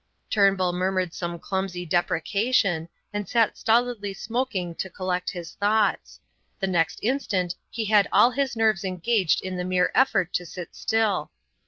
Turnbull murmured some clumsy deprecation, and sat stolidly smoking to collect his thoughts; the next instant he had all his nerves engaged in the mere effort to sit still.